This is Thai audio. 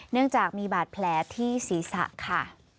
เนื่องจากมีบาดแผลที่ศีรษะค่ะ